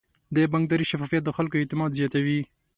د بانکداري شفافیت د خلکو اعتماد زیاتوي.